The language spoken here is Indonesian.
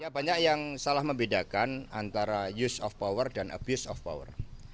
banyak yang salah membedakan antara use of power dan abuse of power